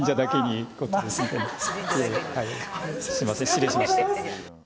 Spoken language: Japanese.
失礼しました。